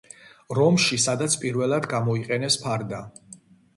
რომში, სადაც პირველად გამოიყენეს ფარდა.